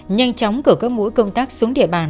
nhanh chóng cử các mũi công tác xuống địa bàn